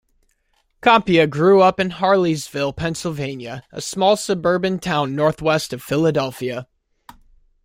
Kampia grew up in Harleysville, Pennsylvania, a small suburban town northwest of Philadelphia.